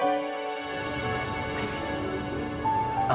aku mau berusaha lebih keras